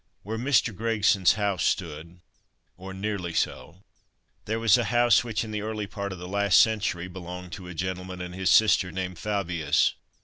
Where Mr. Gregson's house stood, or nearly so, there was a house which, in the early part of the last century, belonged to a gentleman and his sister named Fabius.